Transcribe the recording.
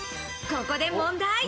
ここで問題。